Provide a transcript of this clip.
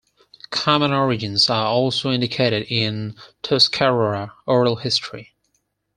Common origins are also indicated in Tuscarora oral history.